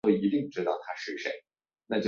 东京站也是关东车站百选入选站之一。